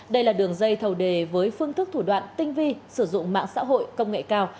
đây là đường dây thầu đề với phương thức thủ đoạn tinh vi sử dụng mạng xã hội công nghệ cao